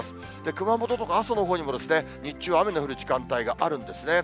熊本とか阿蘇のほうにも日中、雨の降る時間帯があるんですね。